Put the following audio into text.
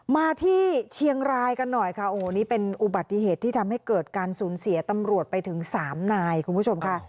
มาที่เชียงรายกันหน่อยค่ะโอ้โหนี่เป็นอุบัติเหตุที่ทำให้เกิดการสูญเสียตำรวจไปถึงสามนายคุณผู้ชมค่ะ